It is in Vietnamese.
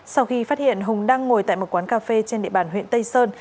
sau khi phát hiện hùng đang ngồi tại một quán cà phê trên địa bàn huyện tây sơn